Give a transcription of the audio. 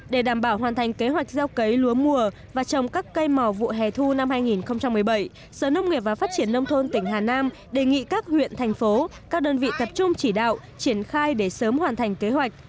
để đảm bảo hoàn thành kế hoạch gieo cấy lúa mùa và trồng các cây màu vụ hè thu năm hai nghìn một mươi bảy sở nông nghiệp và phát triển nông thôn tỉnh hà nam đề nghị các huyện thành phố các đơn vị tập trung chỉ đạo triển khai để sớm hoàn thành kế hoạch